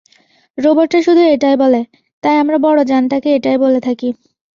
রোবটরা শুধু এটাই বলে, তাই আমরা বড় যানটাকে এটাই বলে থাকি।